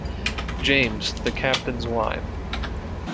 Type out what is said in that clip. James, the Captain's wine!